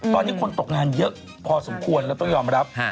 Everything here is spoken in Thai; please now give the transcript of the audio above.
ตอนนี้คนตกงานเยอะพอสมควรแล้วต้องยอมรับ